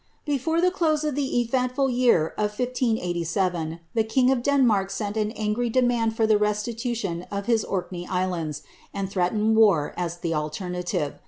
Before the close of the eventful year of 1587, the king of Denmark sent an angry demand for the restitution of his Orkney islands, and threatened war as the alternative.